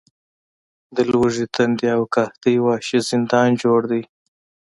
د لوږې، تندې او قحطۍ وحشي زندان جوړ دی.